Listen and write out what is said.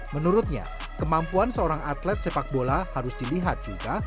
menurutnya kemampuan seorang atlet sepak bola harus dilihat juga